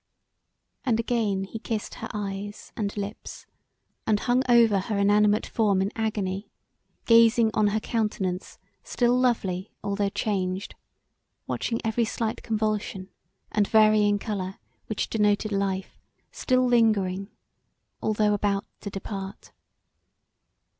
And again he kissed her eyes and lips, and hung over her inanimate form in agony, gazing on her countenance still lovely although changed, watching every slight convulsion, and varying colour which denoted life still lingering although about to depart.